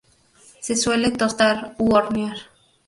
Se suele tostar u hornear.